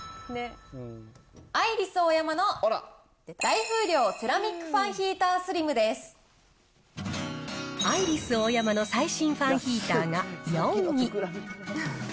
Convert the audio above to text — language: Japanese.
アイリスオーヤマの大風量セラミックファンヒータースリムでアイリスオーヤマの最新ファンヒーターが４位。